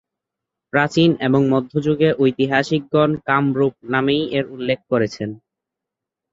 প্রাচীন এবং মধ্যযুগে ঐতিহাসিকগণ কামরূপ নামেই এর উল্লেখ করেছেন।